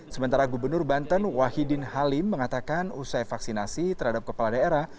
sementara gubernur banten wahidin halim mengatakan usai vaksinasi terhadap kepala daerah